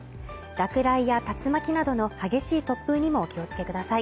落雷や竜巻などの激しい突風にもお気をつけください。